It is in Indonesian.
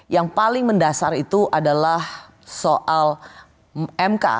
yang paling mendasar itu adalah soal mk